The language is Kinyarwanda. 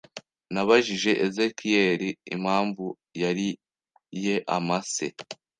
Nabajije Ezekiyeli impamvu yariye amase